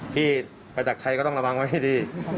พี่ไปจากไชยก็ต้องระวังไว้ดี